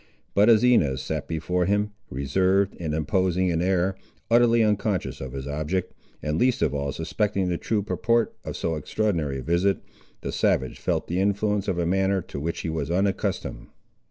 But as Inez sat before him, reserved and imposing in air, utterly unconscious of his object, and least of all suspecting the true purport of so extraordinary a visit, the savage felt the influence of a manner to which he was unaccustomed.